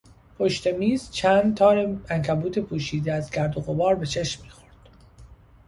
پشت میز چند تار عنکبوت پوشیده از گرد و غبار به چشم میخورد.